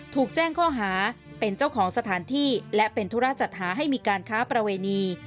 ถูกแจ้งข้อหาเป็นเจ้าของสถานที่และเป็นธุระจัดหาให้มีการค้าประเวณี